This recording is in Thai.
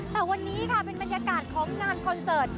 แต่วันนี้ค่ะเป็นบรรยากาศของงานคอนเสิร์ต